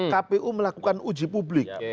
kpu melakukan uji publik